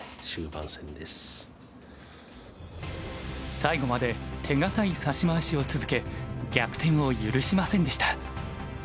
最後まで手堅い指し回しを続け逆転を許しませんでした。